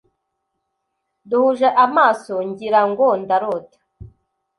duhuje amaso ngira ngo ndarota,